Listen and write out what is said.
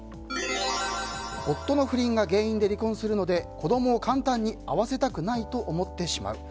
夫の不倫が原因で離婚するので子供を簡単に会わせたくないと思ってしまう。